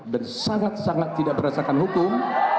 dan sangat sangat tidak berasakan hukum